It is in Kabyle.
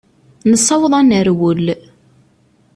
Nessaweḍ ad nerwel.